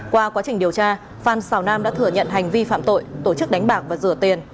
qua quá trình điều tra phan xào nam đã thừa nhận hành vi phạm tội tổ chức đánh bạc và rửa tiền